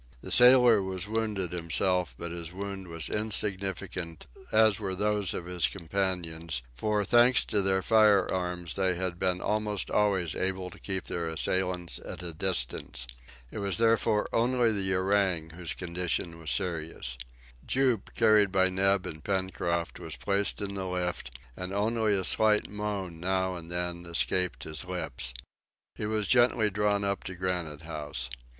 The sailor was wounded himself, but his wound was insignificant, as were those of his companions; for thanks to their firearms they had been almost always able to keep their assailants at a distance. It was therefore only the orang whose condition was serious. Jup, carried by Neb and Pencroft, was placed in the lift, and only a slight moan now and then escaped his lips. He was gently drawn up to Granite House.